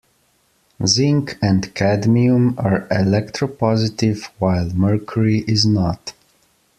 Zinc and cadmium are electropositive while mercury is not.